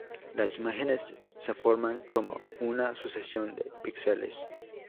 Las imágenes se forman como una sucesión de píxeles.